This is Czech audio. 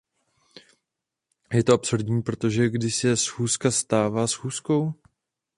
Je to absurdní, protože kdy se schůzka stává schůzkou?